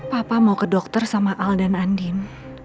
papa mau ke dokter sama al dan andin